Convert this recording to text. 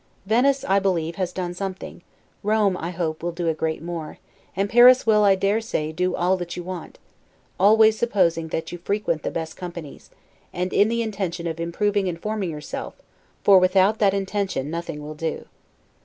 Venice, I believe, has done something; Rome, I hope, will do a great deal more; and Paris will, I dare say, do all that you want; always supposing that you frequent the best companies, and in the intention of improving and forming yourself; for without that intention nothing will do.